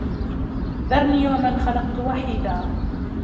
ذَرْنِي وَمَنْ خَلَقْتُ وَحِيدًا